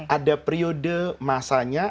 ada periode masanya